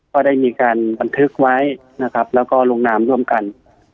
ก็ได้มีการบันทึกไว้นะครับแล้วก็ลงนามร่วมกัน